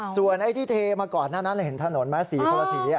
ส่วนที่เทมาก่อนหน้านั้นเราเห็นถนนมั้ยศรีพลศรี